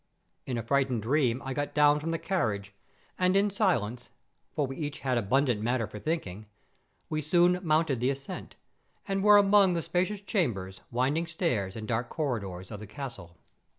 In a frightened dream I got down from the carriage, and in silence, for we had each abundant matter for thinking; we soon mounted the ascent, and were among the spacious chambers, winding stairs, and dark corridors of the castle.